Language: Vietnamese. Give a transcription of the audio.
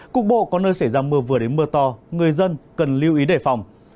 cục bộ có nơi xảy ra mưa vừa đến mưa to người dân cần lưu ý đề phòng